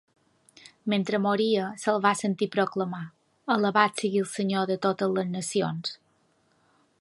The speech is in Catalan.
Mentre moria, se'l va sentir proclamar "Alabat sigui el senyor de totes les nacions!"